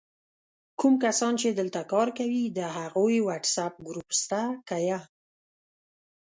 کوم کسان چې دلته کار کوي د هغوي وټس آپ ګروپ سته که یا؟!